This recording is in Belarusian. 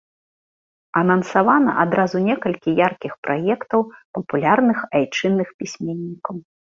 Анансавана адразу некалькі яркіх праектаў папулярных айчынных пісьменнікаў.